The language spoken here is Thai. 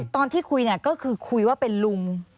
ตอนที่คุยเนี่ยก็คือคุยว่าเป็นลุง